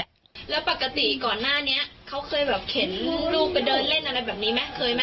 แล้วปกติก่อนหน้านี้เขาเคยแบบเข็นลูกไปเดินเล่นอะไรแบบนี้ไหมเคยไหม